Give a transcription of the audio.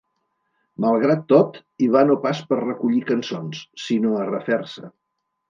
Malgrat tot, hi va no pas per recollir cançons, sinó a refer-se.